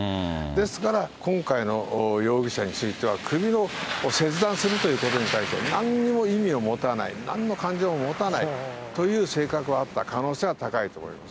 ですから、今回の容疑者については、首を切断するということに対してなんにも意味を持たない、なんの感情も持たないという性格があった可能性が高いと思います。